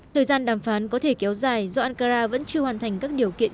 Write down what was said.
thời gian đàm phán có thể kéo dài do ankara vẫn chưa hoàn thành các điều kiện